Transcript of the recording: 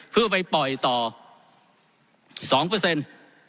เพื่อไปปล่อยต่อสองเปอร์เซ็นต์